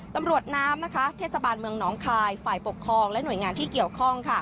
ตำรวจน้ำเทศบาลเมืองหนองคายฝ่ายปกครองและหน่วยงานที่เกี่ยวข้อง